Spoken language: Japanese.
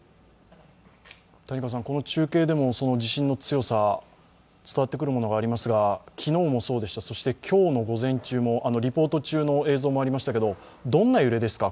この中継でも地震の強さ、伝わってくるものがありますが昨日もそうでした、そして今日の午前中もリポート中の映像もありましたけどどんな揺れですか？